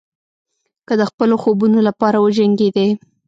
که د خپلو خوبونو لپاره وجنګېدئ.